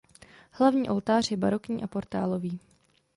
Hlavní oltář je barokní a portálový.